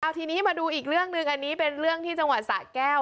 ทีนี้มาดูอีกเรื่องหนึ่งอันนี้เป็นเรื่องที่จังหวัดสะแก้ว